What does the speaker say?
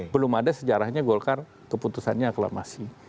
belum ada sejarahnya golkar keputusannya aklamasi